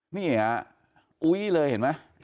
นี่อ่ะอุ๊ยนี่เลยเห็นไหม